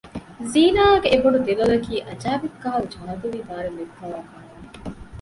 ޒީނާގެ އެ ބޮޑު ދެލޮލަކީ އަޖައިބެއްކަހަލަ ޖާދޫވީ ބާރެއް ލިބިފައިވާ ގުނަވަނައް